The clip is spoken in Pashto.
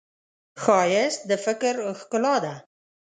ښایست د فکر ښکلا ده